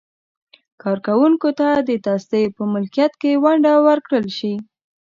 کارکوونکو ته د تصدیو په ملکیت کې ونډه ورکړل شي.